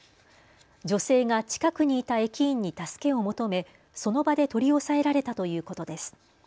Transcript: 女性が近くにいた駅員に助けを求め、その場で取り押さえられたということです。